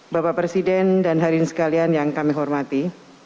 bapak presiden dan hadirin sekalian yang kami hormati